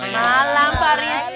malam pak rizky